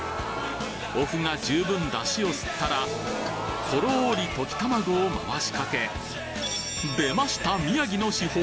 お麩が十分出汁を吸ったらとろり溶き卵を回しかけ出ました宮城の至宝！